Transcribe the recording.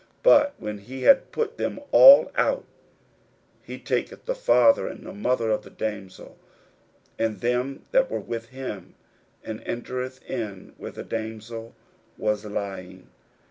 But when he had put them all out, he taketh the father and the mother of the damsel, and them that were with him, and entereth in where the damsel was lying.